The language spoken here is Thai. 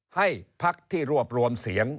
ให้พักที่รวบรวมเสียง